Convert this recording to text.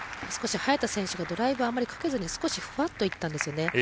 早田選手がドライブをかけずにふわっといったんですよね。